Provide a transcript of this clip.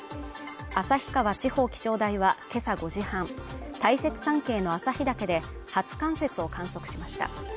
旭川地方気象台は今朝５時半大雪山系の旭岳で初冠雪を観測しました